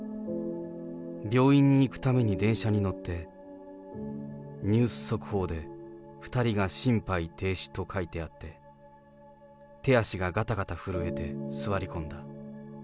病院に行くために電車に乗って、ニュース速報で２人が心肺停止と書いてあって、手足ががたがた震えて、座り込んだ。